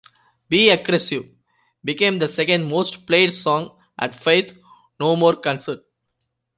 "Be Aggressive" became the second most-played song at Faith No More concerts.